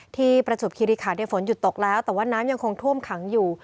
ประจวบคิริขันฝนหยุดตกแล้วแต่ว่าน้ำยังคงท่วมขังอยู่